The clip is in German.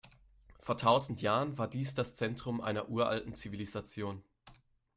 Vor tausend Jahren war dies das Zentrum einer uralten Zivilisation.